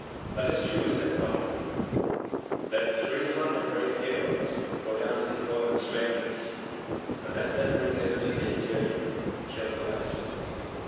"That is true," said Connachar; "let three hundred brave heroes go down to the abode of the strangers, and let them bring hither to me Deirdre, and kill the rest."